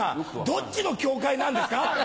どっちの協会なんですか？